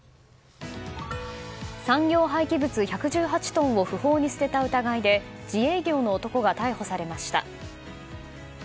産業廃棄物１１８トンを不法に捨てた疑いで自営業の男が逮捕されました。